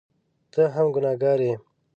ته هم ګنهکاره یې !